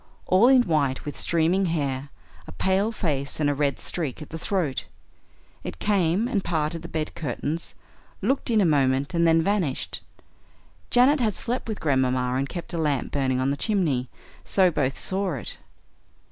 All in white, with streaming hair, a pale face, and a red streak at the throat. It came and parted the bed curtains, looking in a moment, and then vanished. Janet had slept with Grandmamma and kept a lamp burning on the chimney, so both saw it.